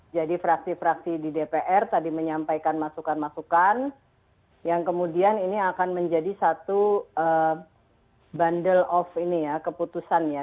jadi fraksi fraksi di dpr tadi menyampaikan masukan masukan yang kemudian ini akan menjadi satu bundle of ini ya keputusan ya